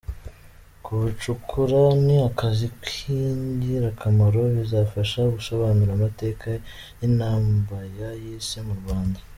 Kubucukura ni akazi k’ingirakamaro, bizafasha gusobanura amateka y’Intambaya y’isi mu Rwanda.